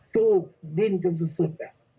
สู้ดิ้นจนสุด